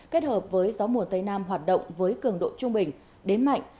kết hợp với gió mùa tây nam hoạt động với cường độ trung bình đến mạnh